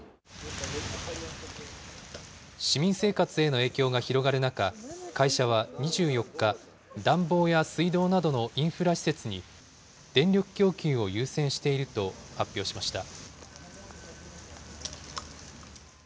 市民生活への影響が広がる中、会社は２４日、暖房や水道などのインフラ施設に電力供給を優先していると発表しました。